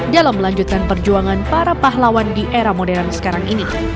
dalam melanjutkan perjuangan para pahlawan di era modern sekarang ini